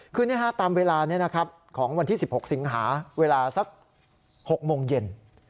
คือเนี่ยฮะตามเวลานี้นะครับของวันที่๑๖สิงหาเวลาสัก๖โมงเย็น